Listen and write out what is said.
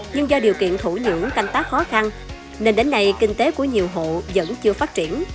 nhưng do điều kiện thổ nhưỡng canh tác khó khăn nên đến nay kinh tế của nhiều hộ vẫn chưa phát triển